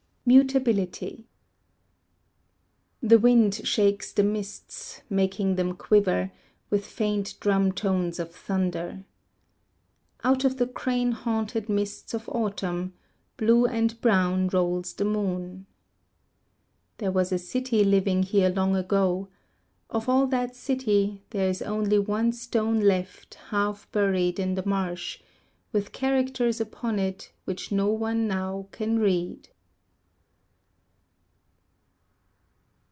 Mutability The wind shakes the mists Making them quiver With faint drum tones of thunder. Out of the crane haunted mists of autumn, Blue and brown Rolls the moon. There was a city living here long ago, Of all that city There is only one stone left half buried in the marsh, With characters upon it which no one now can read.